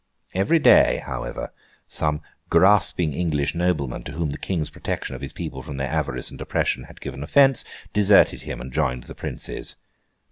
Every day, however, some grasping English noblemen, to whom the King's protection of his people from their avarice and oppression had given offence, deserted him and joined the Princes.